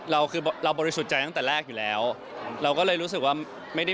เราบริสุทธิ์ใจตั้งแต่แรกอยู่แล้วเราก็เลยรู้สึกว่า